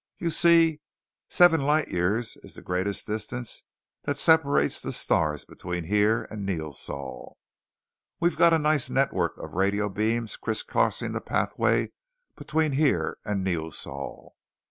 You see, seven light years is the greatest distance that separates the stars between here and Neosol. We've got a nice network of radio beams criss crossing the pathway between here and Neosol.